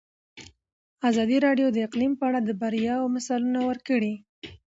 ازادي راډیو د اقلیم په اړه د بریاوو مثالونه ورکړي.